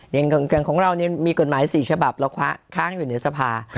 อย่างของเรามีกฎหมาย๔ฉบับเราค้างอยู่ในสภา